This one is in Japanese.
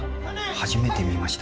初めて見ました。